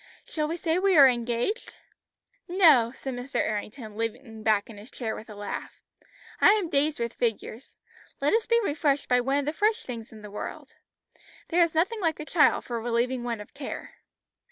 Shall we say we are engaged?" "No," said Mr. Errington, leaning back in his chair with a laugh; "I am dazed with figures. Let us be refreshed by one of the fresh things in this world. There is nothing like a child for relieving one of care."